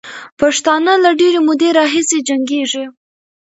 پښتانه له ډېرې مودې راهیسې جنګېږي.